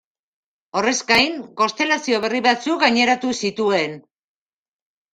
Horrez gain, konstelazio berri batzuk gaineratu zituen.